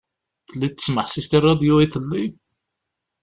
Telliḍ tesmeḥsiseḍ i rradyu iḍelli?